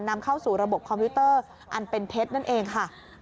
นำเข้าสู่ระบบคอมพิวเตอร์อันเป็นเท็จนั่นเองค่ะ